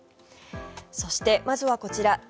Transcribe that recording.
そして、まずはこちら。